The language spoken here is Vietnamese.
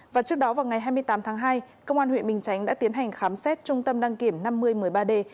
và trước đó vào ngày hai mươi tám tháng hai công an huyện bình chánh đã tiến hành khám xét trung tâm đăng kiểm năm mươi một mươi ba d